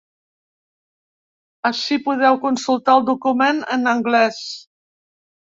Ací podeu consultar el document, en anglès.